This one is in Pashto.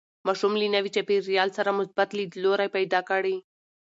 ماشوم له نوي چاپېریال سره مثبت لیدلوری پیدا کړي.